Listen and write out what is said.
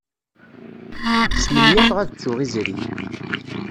Smenyafeɣ ad ttuɣ izri.